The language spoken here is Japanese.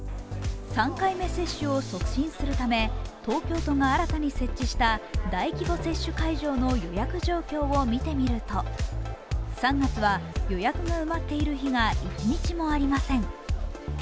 ３回目接種を促進するため、東京都が新たに設置した大規模接種会場の予約状況を見てみると、３月は予約で埋まっている日が一日もありません。